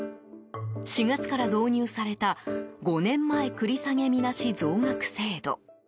４月から導入された５年前繰り下げみなし増額制度。